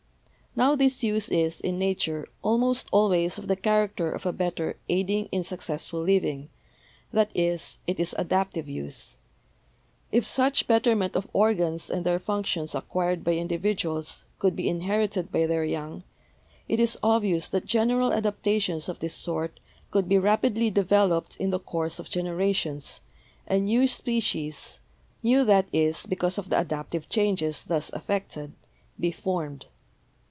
Now this use is, in Nature, almost always of the character of a better aiding in suc cessful living; that is, it is adaptive use. If such better ment of organs and their functions acquired by individu als could be inherited by their young, it is obvious that general adaptations of this sort could be rapidly developed in the course of generations, and new species, new, that is, because of the adaptive changes thus effected, be formed.